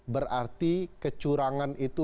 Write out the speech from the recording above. berarti kecurangan itu